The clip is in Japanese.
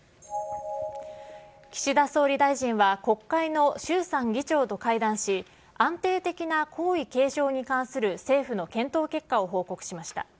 岸田総理大臣は国会の衆参議長と会談し、安定的な皇位継承に関する政府の検討結果を報告しました。